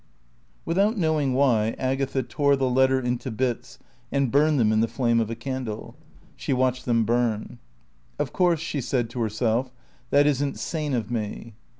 Without knowing why, Agatha tore the letter into bits and burned them in the flame of a candle. She watched them burn. "Of course," she said to herself, "that isn't sane of me."